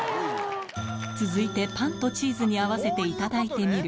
続いてパンとチーズに合わせていただいてみる